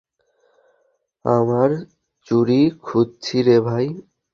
আমার চুড়ি খুঁজছি রে ভাই।